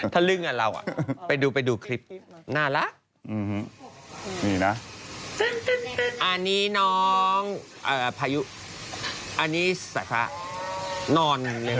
ถ้าเรื่องอ่ะเราอ่ะไปดูไปดูคลิปน่ารักอันนี้น้องอ่ะพายุอันนี้สาธารณ์นอน